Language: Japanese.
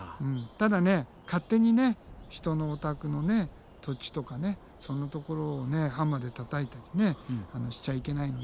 ただね勝手に人のお宅の土地とかそんなところをハンマーでたたいたりねしちゃいけないので。